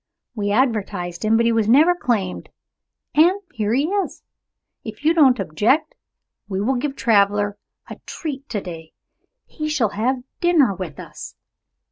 We advertised him, but he was never claimed and here he is! If you don't object, we will give Traveler a treat to day. He shall have dinner with us."